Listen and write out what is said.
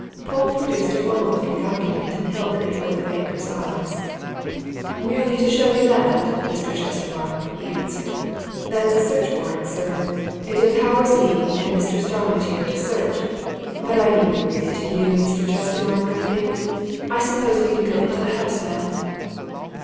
Polke produced a formal looking document and held it before the banker's eyes. "Merely to show you that, Mr. Chestermarke," he answered. "That's a search warrant, sir! It empowers me and Mr. Starmidge here to search but I needn't read it to you, Mr. Chestermarke, I think. I suppose we can go into the house now?"